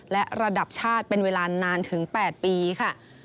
และระดับชาติเป็นเวลานานถึง๘ปีค่ะ